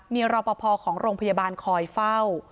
มีรอปภของโรงพยาบาลคอยเฝ้า